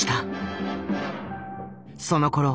そのころ